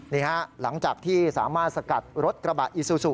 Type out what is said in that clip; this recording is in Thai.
หลังจากที่สามารถสกัดรถกระบะอีซูซู